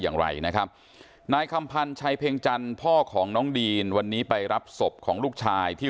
อย่างไรนะครับนายคำพันธ์ชัยเพ็งจันทร์พ่อของน้องดีนวันนี้ไปรับศพของลูกชายที่